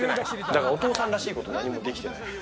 だから、お父さんらしいこと何もできてない。